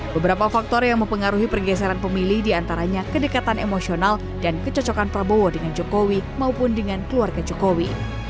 beberapa faktor yang mempengaruhi pergeseran pemilih diantaranya kedekatan emosional dan kecocokan prabowo dengan jokowi maupun dengan keluarga jokowi